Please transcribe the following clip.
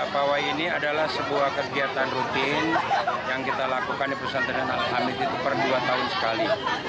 pawai ini adalah sebuah kegiatan rutin yang kita lakukan di pesantren al hamid itu per dua tahun sekali